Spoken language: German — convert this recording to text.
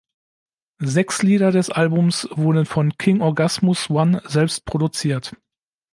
Sechs Lieder des Albums wurden von King Orgasmus One selbst produziert.